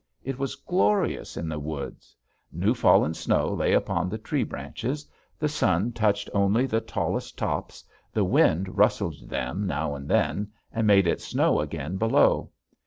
It was glorious in the woods. New fallen snow lay upon the tree branches; the sun touched only the tallest tops, the wind rustled them now and then and made it snow again below.